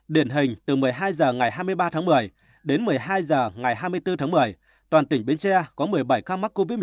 điển hình từ một mươi hai h ngày hai mươi ba tháng một mươi đến một mươi hai h ngày hai mươi bốn tháng một mươi toàn tỉnh bến tre có một mươi bảy ca mắc covid một mươi